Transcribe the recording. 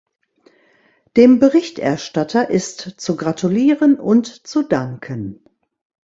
Dem Berichterstatter ist zu gratulieren und zu danken.